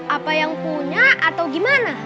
apa yang punya atau gimana